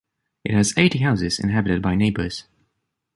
It has eighty houses inhabited by neighbors.